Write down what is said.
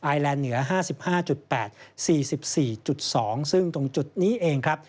แลนด์เหนือ๕๕๘๔๔๒ซึ่งตรงจุดนี้เองครับ